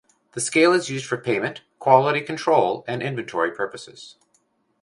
The scale is used for payment, quality control and inventory purposes.